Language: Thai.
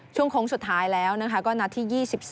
โค้งสุดท้ายแล้วนะคะก็นัดที่๒๒